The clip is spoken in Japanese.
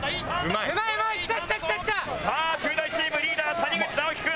さあ中大チームリーダー谷口尚樹君。